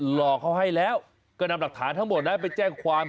หลอกเขาให้แล้วก็นำหลักฐานทั้งหมดนะไปแจ้งความ